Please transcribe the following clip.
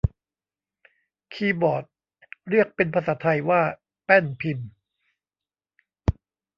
คีย์บอร์ดเรียกเป็นภาษาไทยว่าแป้นพิมพ์